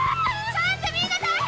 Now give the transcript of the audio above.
ちょっとみんな大変！